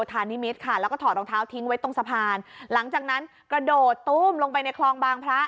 ทิ้งไว้ตรงสะพานหลังจากนั้นกระโดดตู้มลงไปในคลองบางพระ